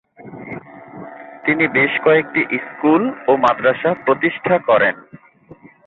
তিনি বেশ কয়েকটি স্কুল ও মাদ্রাসা প্রতিষ্ঠা করেন।